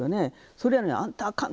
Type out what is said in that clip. それやのにあんたあかん